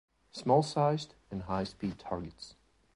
Small-sized and high-speed targets.